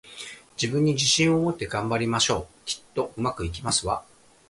自分に自信を持って、頑張りましょう！きっと、上手くいきますわ